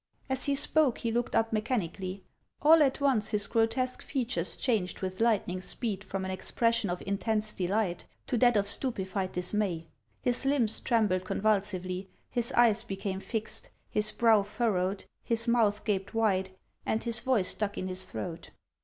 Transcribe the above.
As he spoke, he looked up mechanically. All at once his grotesque features changed with lightning speed from an expression of intense delight to that of stupefied dis may ; his limbs trembled convulsively, his eyes became fixed, his brow furrowed, his mouth gaped wide, and his voice stuck in his throat.